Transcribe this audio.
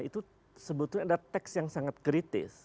itu sebetulnya ada teks yang sangat kritis